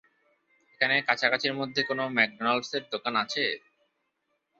এখানে কাছাকাছির মধ্যে কোনো ম্যাকডোনাল্ডসের দোকান আছে?